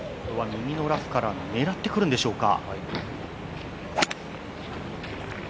右のラフから狙ってくるんでしょうか。